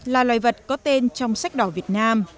là loài vật có tên trong sách đỏ việt nam